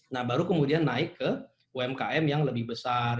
nah baru kemudian naik ke umkm yang lebih besar